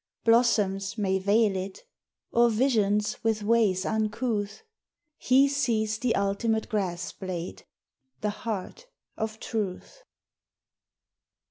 Blossoms may veil it or visions with ways uncouth, He sees the ultimate grass blade, the heart of Truth.